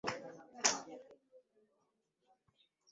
Ttiimu zirina olunene okusitukira mu kikopo.